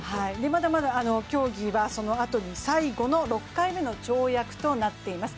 まだまだ競技はそのあとに最後の６回目の跳躍となっています